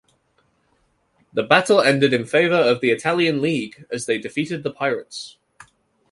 The battle ended in favor of the Italian league, as they defeated the pirates.